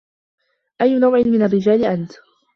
أيّ نوع من الرّجال أنت.